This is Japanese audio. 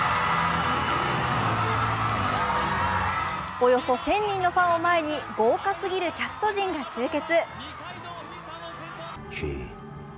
およそ１０００人のファンを前に豪華すぎるキャスト陣が集結。